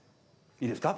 いいですか？